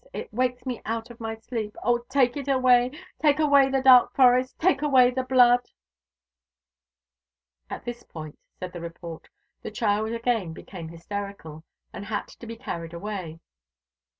It wakes me out of my sleep. O, take it away; take away the dark forest; take away the blood!" At this point, said the report, the child again became hysterical, and had to be carried away.